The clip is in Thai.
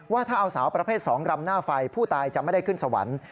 ว่าถ้าเอาสาวประเภท๒รำหน้าไฟผู้ตายจะไม่ได้ขึ้นสวรรค์